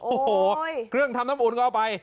โอ้โหเครื่องทำน้ำอุ่นก็เอาไป